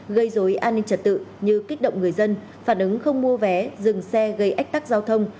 gây dối an ninh trật tự như kích động người dân phản ứng không mua vé dừng xe gây ách tắc giao thông